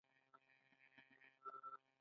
د عشق د ترخې تجربي له کبله